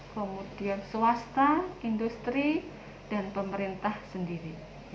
kemudian swasta industri dan pemerintah sendiri